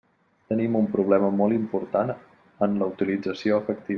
Tenim un problema molt important en la utilització efectiva.